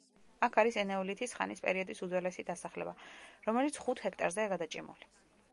აქ არის ენეოლითის ხანის პერიოდის უძველესი დასახლება, რომელიც ხუთ ჰექტარზეა გადაჭიმული.